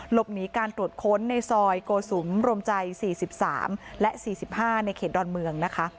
หลบหนีการตรวจค้นในซอยโกสุมรวมใจ๔๓และ๔๕ในเขตดอนเมืองนะคะ